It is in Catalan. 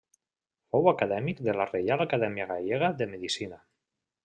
Fou Acadèmic de la Reial Acadèmia Gallega de Medicina.